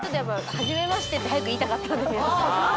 初めましてって早く言いたかったんで。